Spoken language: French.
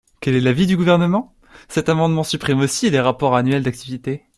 Quel est l’avis du Gouvernement ? Cet amendement supprime aussi les rapports annuels d’activité.